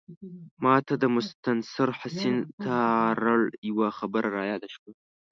ماته د مستنصر حسین تارړ یوه خبره رایاده شوه.